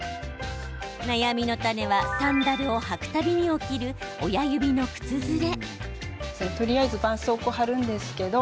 悩みの種は、サンダルを履く度に起きる親指の靴ずれ。